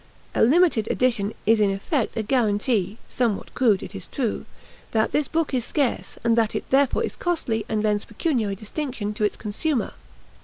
A limited edition is in effect a guarantee somewhat crude, it is true that this book is scarce and that it therefore is costly and lends pecuniary distinction to its consumer.